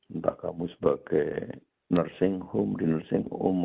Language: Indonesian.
entah kamu sebagai nursing home di nursing home